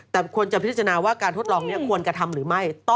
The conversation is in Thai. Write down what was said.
แต่ควรจะพิจารณาว่าการทดลองนี้ควรกระทำหรือไม่